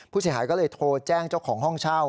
ผู้เสียหายก็เลยโทรแจ้งเจ้าของห้องเช่า